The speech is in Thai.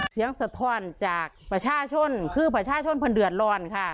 สะท้อนจากประชาชนคือประชาชนเพื่อนเดือดร้อนค่ะ